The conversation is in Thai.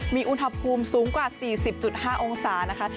มีอุณหภูมิสูงกว่า๔๐๕องศานะคะ